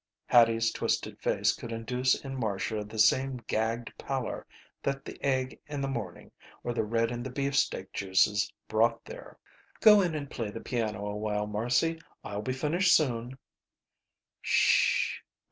Hattie's twisted face could induce in Marcia the same gagged pallor that the egg in the morning or the red in the beefsteak juices brought there. "Go in and play the piano awhile, Marcy, I'll be finished soon."